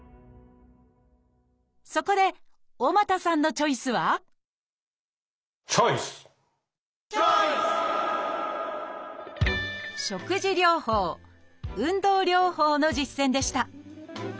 そこで尾又さんのチョイスはチョイス！の実践でした。